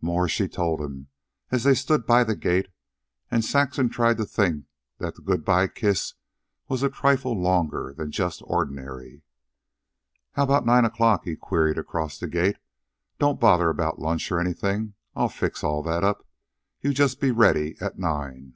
More she told him, as they stood by the gate, and Saxon tried to think that the good bye kiss was a trifle longer than just ordinary. "How about nine o'clock?" he queried across the gate. "Don't bother about lunch or anything. I'll fix all that up. You just be ready at nine."